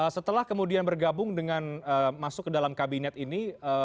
setelah kemudian bergabung dengan masuk ke dalam kabinet ini